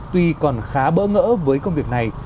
tuy còn khá bỡ ngỡ với công việc này